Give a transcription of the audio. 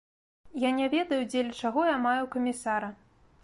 Я не ведаю, дзеля чаго я маю камісара.